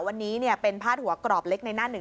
วันนี้เป็นพาดหัวกรอบเล็กในหน้าหนึ่ง